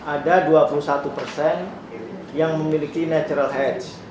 ada dua puluh satu persen yang memiliki natural heads